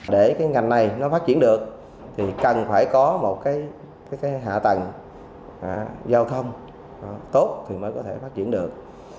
để cái ngành này nó phát triển được thì cần phải có một cái hạ tầng giao thông tốt thì mới có thể phát triển được